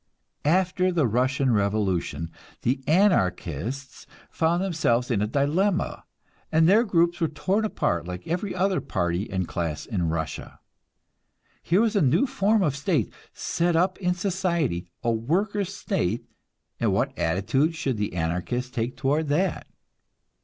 After the Russian revolution, the Anarchists found themselves in a dilemma, and their groups were torn apart like every other party and class in Russia. Here was a new form of state set up in society, a workers' state, and what attitude should the Anarchists take toward that?